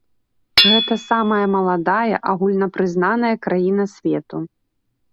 Гэта самая маладая агульнапрызнаная краіна свету.